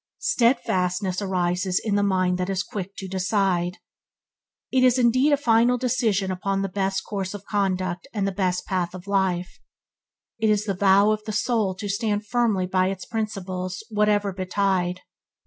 Steadfastness arises in the mind that is quick to decide. It is indeed a final decision upon the best course of conduct and the best path in life. It is the vow of the soul to stand firmly by its principles whatever betide.